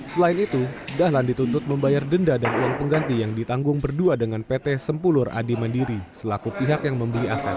selain itu dahlan dituntut membayar denda dan uang pengganti yang ditanggung berdua dengan pt sempulur adi mandiri selaku pihak yang membeli aset